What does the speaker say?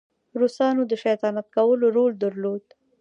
روسانو د شیطانت کولو رول درلود.